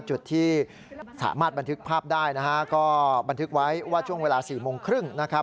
จุดที่สามารถบันทึกภาพได้นะฮะก็บันทึกไว้ว่าช่วงเวลา๔โมงครึ่งนะครับ